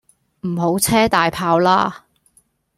唔好車大炮啦